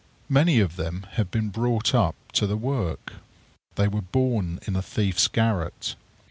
Many of them have been brought up to the work. They were born in a thief's garret.